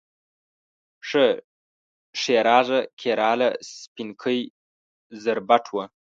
ښه ښېرازه کیراله، سپینکۍ زربټ و